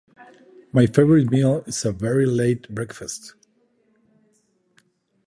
My favourite meal is a very late breakfast.